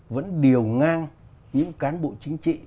vẫn điều ngang những cán bộ chính trị